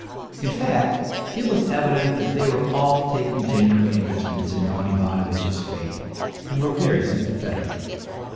In fact, it was evident that they were all taking genuine interest in Semyon Ivanovitch's fate and were very sympathetic.